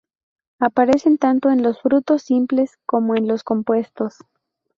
Aparecen tanto en los frutos simples como en los compuestos.